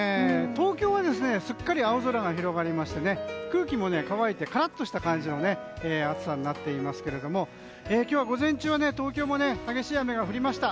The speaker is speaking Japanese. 東京はすっかり青空が広がりまして空気も乾いてカラッとした感じの暑さになっていますが今日は午前中は東京は激しい雨が降りました。